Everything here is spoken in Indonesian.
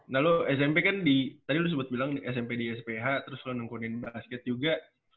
nah lu smp kan di tadi lu sempet bilang smp di sph terus lu nungkunin basket juga